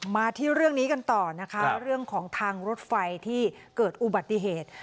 มาที่เรื่องนี้กันต่อนะคะเรื่องของทางรถไฟที่เกิดอุบัติเหตุ